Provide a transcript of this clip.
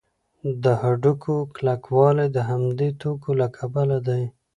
د هډوکو کلکوالی د همدې توکو له کبله دی.